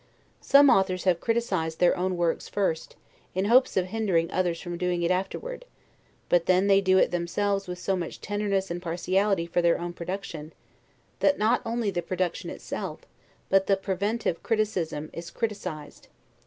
Some authors have criticised their own works first, in hopes of hindering others from doing it afterward: but then they do it themselves with so much tenderness and partiality for their own production, that not only the production itself, but the preventive criticism is criticised.